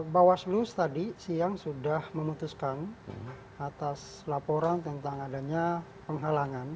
bawaslu tadi siang sudah memutuskan atas laporan tentang adanya penghalangan